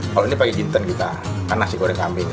kalau ini pakai jinten kita kan nasi goreng kambing